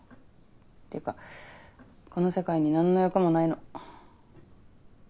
っていうかこの世界に何の欲もないの。